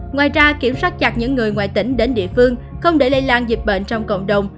ngoài ra kiểm soát chặt những người ngoài tỉnh đến địa phương không để lây lan dịch bệnh trong cộng đồng